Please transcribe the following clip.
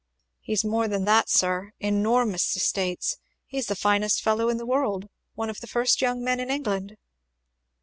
"He's more than that, sir. Enormous estates! He's the finest fellow in the world one of the first young men in England."